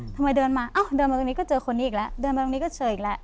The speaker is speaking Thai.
ทำไมเดินมาเอ้าเดินมาตรงนี้ก็เจอคนนี้อีกแล้วเดินมาตรงนี้ก็เฉยอีกแล้ว